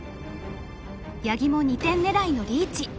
八木も２点狙いのリーチ！